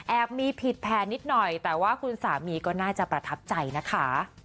มีผิดแผนนิดหน่อยแต่ว่าคุณสามีก็น่าจะประทับใจนะคะ